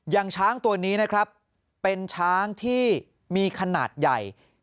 อย่างช้างตัวนี้นะครับเป็นช้างที่มีขนาดใหญ่